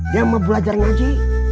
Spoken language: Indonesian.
yang mau belajar ngaji